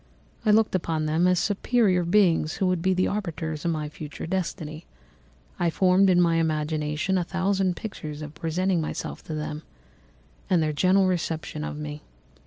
I looked upon them as superior beings who would be the arbiters of my future destiny. I formed in my imagination a thousand pictures of presenting myself to them, and their reception of me.